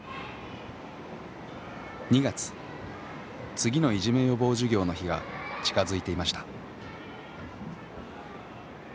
次のいじめ予防授業の日が近づいていました。